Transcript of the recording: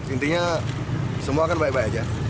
intinya semua kan baik baik aja